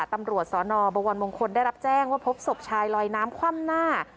ตำรวจสนบวรมงคลได้รับแจ้งว่าพบศพชายลอยน้ำคว่ำหน้า